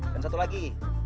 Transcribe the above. dan satu lagi